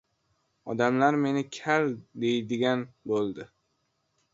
Odamlar meni kal deydigan bo‘ldi!